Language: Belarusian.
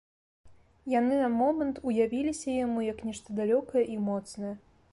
Яны на момант уявіліся яму як нешта далёкае і моцнае.